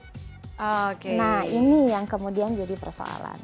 nah ini yang kemudian jadi persoalan